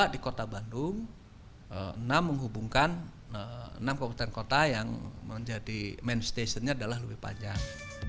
di kota bandung enam menghubungkan enam kabupaten kota yang menjadi main stationnya adalah lebih panjang